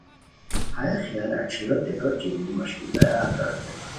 ہیہ خیالہ ݯھیروت لوٹ چیدین مݰکی تیار کاردو